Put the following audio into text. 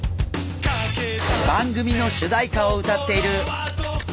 番組の主題歌を歌っている「地図の外」